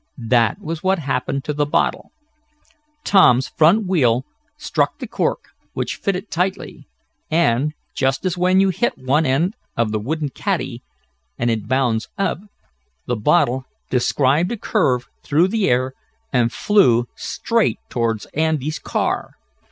That was what happened to the bottle. Tom's front wheel struck the cork, which fitted tightly, and, just as when you hit one end of the wooden "catty" and it bounds up, the bottle described a curve through the air, and flew straight toward Andy's car.